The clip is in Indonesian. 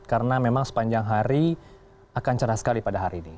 karena memang sepanjang hari akan cerah sekali pada hari ini